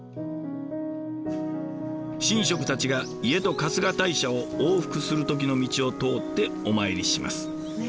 神職たちが家と春日大社を往復する時の道を通ってお参りします。